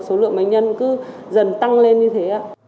số lượng bệnh nhân cứ dần tăng lên như thế